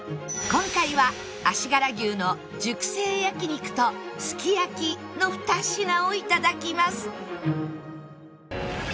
今回は足柄牛の熟成焼肉とすき焼きの２品をいただきます